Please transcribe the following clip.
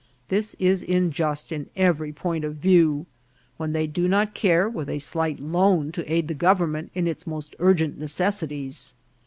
This is unjust in every point of view, when they do not care with a slight loan to aid the government in its most urgent necessities.